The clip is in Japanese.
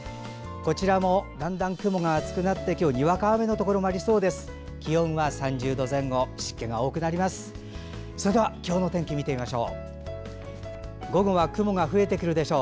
こちらもだんだん雲が厚くなって今日、にわか雨のところもありそうです。